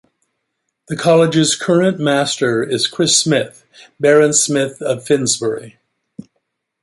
The college's current master is Chris Smith, Baron Smith of Finsbury.